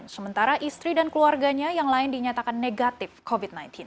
sementara istri dan keluarganya yang lain dinyatakan negatif covid sembilan belas